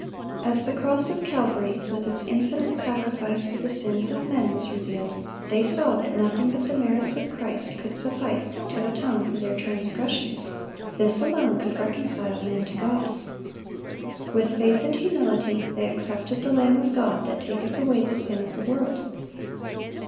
As the cross of Calvary, with its infinite sacrifice for the sins of men, was revealed, they saw that nothing but the merits of Christ could suffice to atone for their transgressions; this alone could reconcile man to God. With faith and humility they accepted the Lamb of God, that taketh away the sin of the world.